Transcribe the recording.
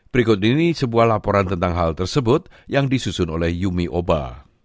berikut ini sebuah laporan tentang hal tersebut yang disusun oleh yumi oba